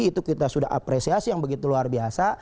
itu kita sudah apresiasi yang begitu luar biasa